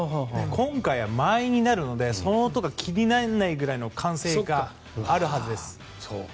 今回は満員になるのでその音が気にならないぐらいの歓声があるはずです。